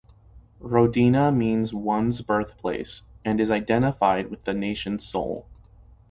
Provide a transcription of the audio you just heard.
"Rodina" means one's birthplace, and is identified with the nation's soul.